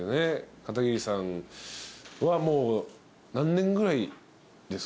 片桐さんはもう何年ぐらいですか？